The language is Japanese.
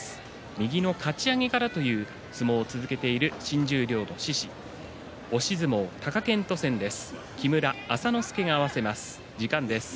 右のかち上げからという相撲を続けている新十両の獅司押し相撲貴健斗戦です。